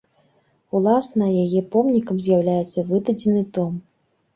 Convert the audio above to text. Уласна, яе помнікам з'яўляецца выдадзены том.